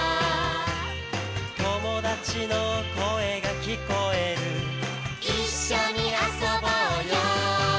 「友達の声が聞こえる」「一緒に遊ぼうよ」